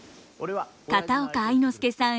片岡愛之助さん